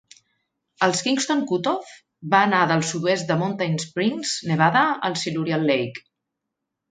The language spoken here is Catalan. El Kingston Cutoff va anar del sud-oest de Mountain Springs, Nevada, al Silurian Lake.